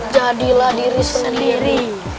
jadilah diri sendiri